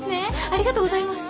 ありがとうございます。